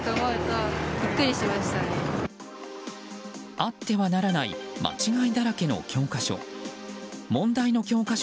あってはならない間違いだらけの教科書。